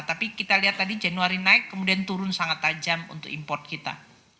tapi kita lihat tadi januari naik kemudian turun sangat tajam untuk import kita